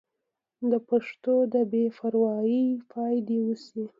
د پښتو د بې پروايۍ پای دې وشي.